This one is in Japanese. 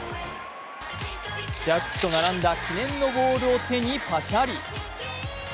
ジャッジと並んだ記念のボールを手にパシャリ。